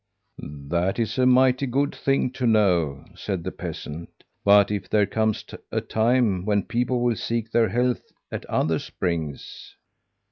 "'That is a mighty good thing to know,' said the peasant. 'But if there comes a time when people will seek their health at other springs?'